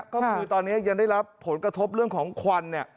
ก็คือตอนนี้ยังได้รับผลกระทบเรื่องของควันเนี่ย